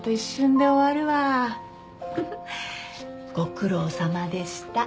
フフッご苦労さまでした。